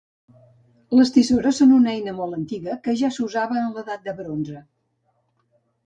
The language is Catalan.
Les tisores són una eina molt antiga que ja s'usava en l'edat del bronze.